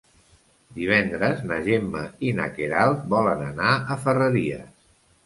Divendres na Gemma i na Queralt volen anar a Ferreries.